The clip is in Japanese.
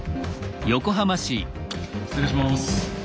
失礼します。